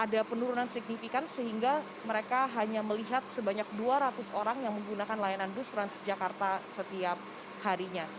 ada penurunan signifikan sehingga mereka hanya melihat sebanyak dua ratus orang yang menggunakan layanan bus transjakarta setiap harinya